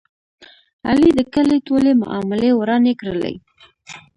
علي د کلي ټولې معاملې ورانې کړلې.